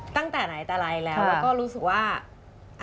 ตั้งแต่ไหนแต่ไรแล้วแล้วก็รู้สึกว่า